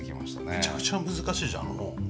めちゃくちゃ難しいじゃんあの本。